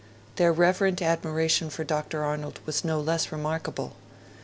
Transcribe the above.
Their reverent admiration for Dr. Arnold was no less remarkable.